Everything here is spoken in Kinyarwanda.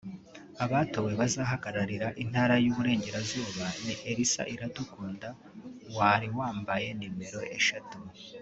Abatowe bazahagararira Intara y’Uburengerazuba ni Elsa Iradukunda wari wambaye nimero eshatu